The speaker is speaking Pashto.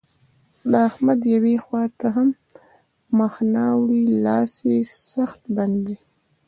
د احمد يوې خوا ته هم مخ نه اوړي؛ لاس يې سخت بند دی.